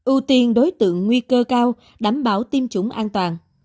ưu tiên đối tượng nguy cơ cao đảm bảo tiêm chủng an toàn